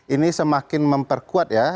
ini semakin memperkuat ya